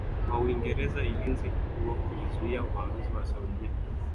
wa Uingereza Ulinzi huo ulizuia uvamizi wa Saudia katika karne ya